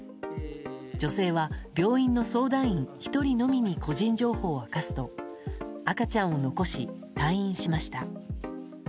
女性は、病院の相談員１人のみに個人情報を明かすと赤ちゃんを残し退院しました。